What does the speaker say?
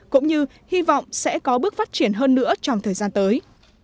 cũng như hy vọng sẽ có bước phát triển hơn nữa trong thời gian tới